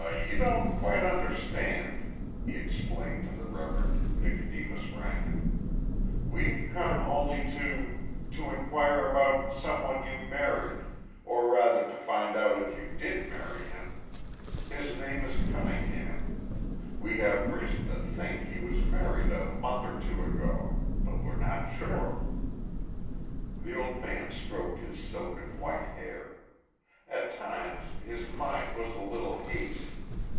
"You don't quite understand," he explained to the Reverend Nicodemus Rankin. "We've come only to to inquire about some one you married or rather to find out if you did marry him. His name is Cunningham. We have reason to think he was married a month or two ago. But we're not sure." The old man stroked his silken white hair. At times his mind was a little hazy.